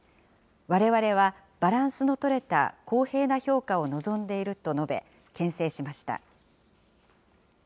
われわれはバランスの取れた公平な評価を望んでいると述べ、けん制しました。